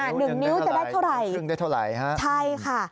หนึ่งนิ้วจะได้เท่าไหร่ครึ่งได้เท่าไหร่ฮะใช่ค่ะ